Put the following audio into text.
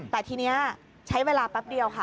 แต่ทีนี้ใช้เวลาแป๊บเดียวค่ะ